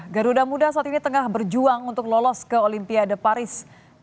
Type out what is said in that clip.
garuda muda saat ini tengah berjuang untuk lolos ke olimpiade paris dua ribu dua puluh